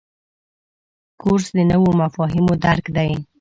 کورس د نویو مفاهیمو درک دی.